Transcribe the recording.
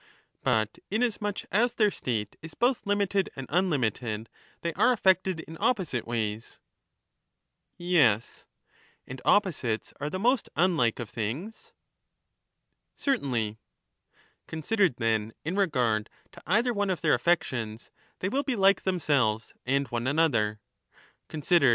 But inasmuch as their state is both limited and unlimited, they are affected in opposite ways. Yes. 159 And opposites are the most unlike of things. Certainly. Considered, then, in regard to either one of their affections, they will be like themselves and one another ; considered in Digitized by VjOOQIC 94 An opposite set of consequences.